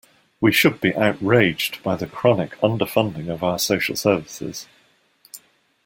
We should be outraged by the chronic underfunding of our social services.